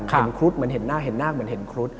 ครุฑเหมือนเห็นหน้าเห็นหน้าเหมือนเห็นครุฑ